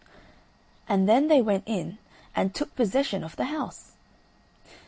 And then they went in and took possession of the house.